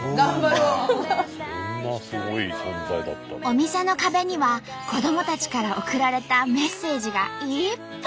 お店の壁には子どもたちからおくられたメッセージがいっぱい！